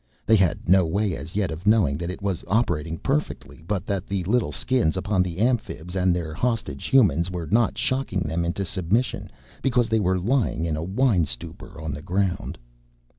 They had no way as yet of knowing that it was operating perfectly but that the little Skins upon the Amphibs and their hostage Humans were not shocking them into submission because they were lying in a wine stupor on the ground.